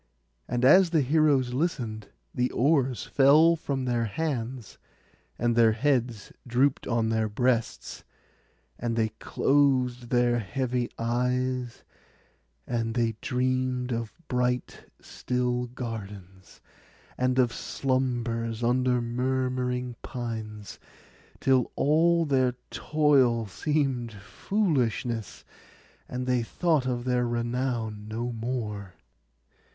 And as the heroes listened, the oars fell from their hands, and their heads drooped on their breasts, and they closed their heavy eyes; and they dreamed of bright still gardens, and of slumbers under murmuring pines, till all their toil seemed foolishness, and they thought of their renown no more.